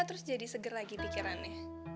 terus jadi seger lagi pikirannya